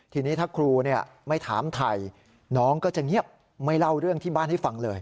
ทีนี้ถ้าครูไม่ถามไทยน้องก็จะเงียบไม่เล่าเรื่องที่บ้านให้ฟังเลย